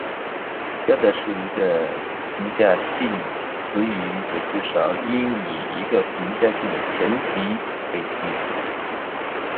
要得出一个评价性语句则至少应以一个评价性的前提为基础。